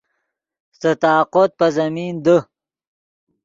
سے طاقوت پے زمین دے